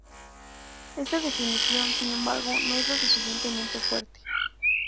Esta definición, sin embargo, no es lo suficientemente fuerte.